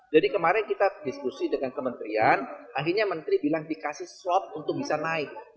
jadi kemarin kita diskusi dengan kementerian akhirnya menteri bilang dikasih swap untuk bisa naik